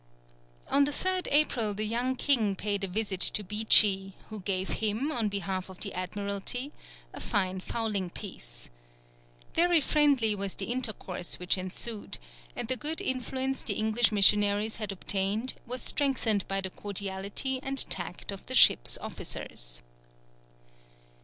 On the 3rd April the young king paid a visit to Beechey, who gave him, on behalf of the Admiralty, a fine fowling piece. Very friendly was the intercourse which ensued, and the good influence the English missionaries had obtained was strengthened by the cordiality and tact of the ship's officers.